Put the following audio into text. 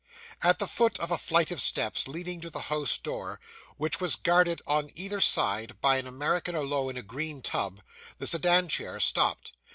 At the foot of a flight of steps, leading to the house door, which was guarded on either side by an American aloe in a green tub, the sedan chair stopped.